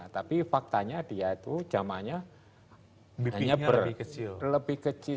tapi faktanya dia itu jamannya lebih kecil